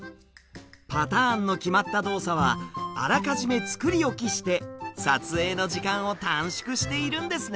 パターンの決まった動作はあらかじめ作り置きして撮影の時間を短縮しているんですね。